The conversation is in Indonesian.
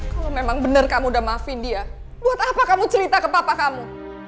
kalau memang benar kamu udah maafin dia buat apa kamu cerita ke papa kamu